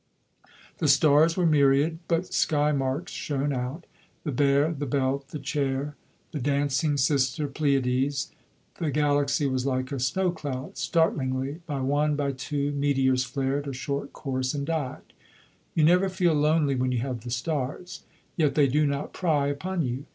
The stars were myriad, but sky marks shone out; the Bear, the Belt, the Chair, the dancing sister Pleiades. The Galaxy was like a snow cloud; startlingly, by one, by two, meteors flared a short course and died. You never feel lonely when you have the stars; yet they do not pry upon you.